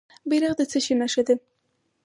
بیرغ د څه شي نښه ده؟